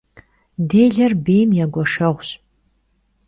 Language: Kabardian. Dêler bêym ya gueşşeğuş.